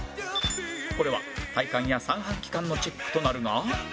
これは体幹や三半規管のチェックとなるが